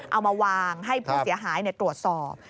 เอามาวางให้ผู้เสียหายตรวจสอบ